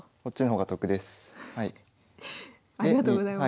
ありがとうございます。